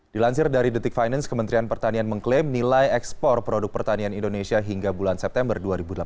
dilansir dari detik finance kementerian pertanian mengklaim nilai ekspor produk pertanian indonesia hingga bulan september dua ribu delapan belas